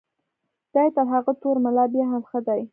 دی تر هغه تور ملا بیا هم ښه دی.